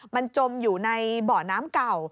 มันจมอยู่ในเบาะน้ำเก่า